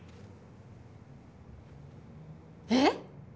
えっ！？